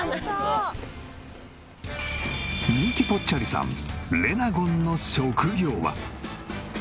人気ぽっちゃりさんレナゴンの職業は？